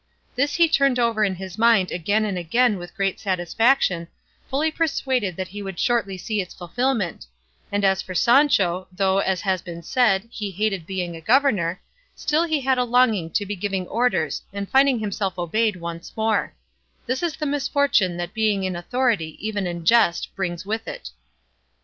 This he turned over in his mind again and again with great satisfaction, fully persuaded that he would shortly see its fulfillment; and as for Sancho, though, as has been said, he hated being a governor, still he had a longing to be giving orders and finding himself obeyed once more; this is the misfortune that being in authority, even in jest, brings with it.